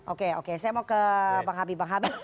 oke oke saya mau ke pak habib